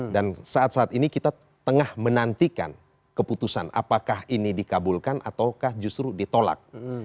dan saat saat ini kita tengah menantikan keputusan apakah ini dikabulkan ataukah justru ditolak